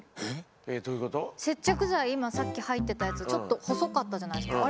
今さっき入ってたやつちょっと細かったじゃないですか。